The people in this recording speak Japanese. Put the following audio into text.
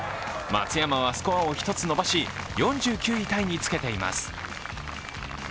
松山はスコアを１つ伸ばし、４９位タイにつけています。